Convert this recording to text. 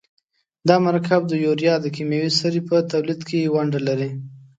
دا مرکب د یوریا د کیمیاوي سرې په تولید کې ونډه لري.